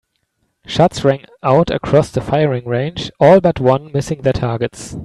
Shots rang out across the firing range, all but one missing their targets.